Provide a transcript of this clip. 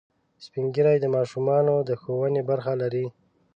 سپین ږیری د ماشومانو د ښوونې برخه لري